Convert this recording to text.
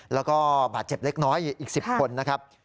แล้วก็บาดเจ็บเล็กน้อยอีก๑๐คนนะครับ